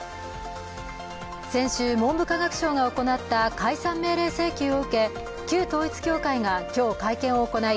先週、文部科学省が行った解散命令請求を受け、旧統一教会が今日会見を行い